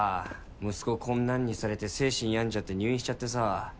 息子こんなんにされて精神病んじゃって入院しちゃってさ。